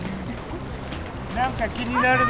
何か気になるの？